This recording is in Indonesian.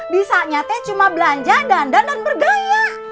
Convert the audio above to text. bisa nyatanya cuma belanja dandan dan bergaya